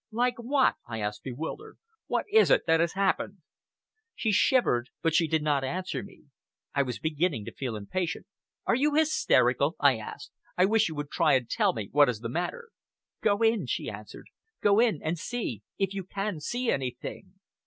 "Like what?" I asked, bewildered. "What is it that has happened?" She shivered, but she did not answer me. I was beginning to feel impatient. "Are you hysterical?" I asked. "I wish you would try and tell me what is the matter." "Go in," she answered; "go in, and see if you can see anything."